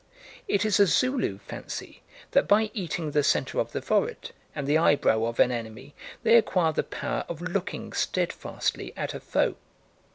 It is a Zulu fancy that by eating the centre of the forehead and the eyebrow of an enemy they acquire the power of looking steadfastly at a foe.